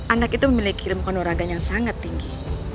anak itu memiliki ilmu kondor agen yang sangat tinggi